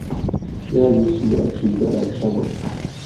متيازې څونه شيندلی شمه.